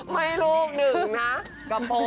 ไม่ลูกหนึ่งนะกระโปรง